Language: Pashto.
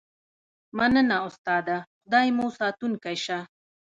مننه استاده خدای مو ساتونکی شه